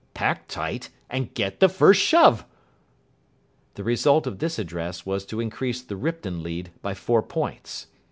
"Pack tight, and get the first shove." The result of this address was to increase the Ripton lead by four points.